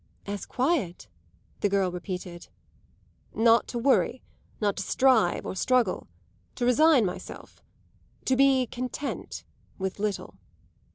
"As quiet?" the girl repeated. "Not to worry not to strive nor struggle. To resign myself. To be content with little."